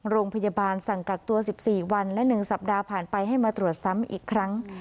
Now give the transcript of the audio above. โรงพยาบาลสั่งกักตัว๑๔วันและ๑สัปดาห์ผ่านไปให้มาตรวจซ้ำอีกครั้ง